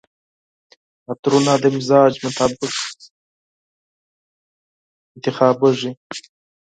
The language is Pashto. عطرونه د مزاج مطابق انتخابیږي.